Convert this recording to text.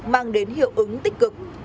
mang đến hiệu ứng tích cực